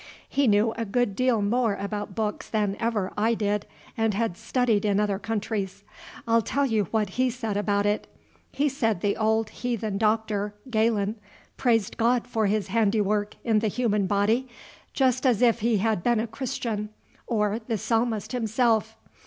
He knew a good deal more about books than ever I did, and had studied in other countries. I'll tell you what he said about it. He said the old Heathen Doctor, Galen, praised God for his handiwork in the human body, just as if he had been a Christian, or the Psalmist himself.